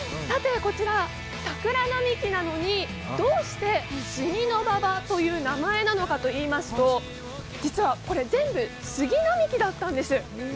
さて、こちら、桜並木なのにどうして杉の馬場という名前なのかといいますと、実はこれ全部、杉並木だったんです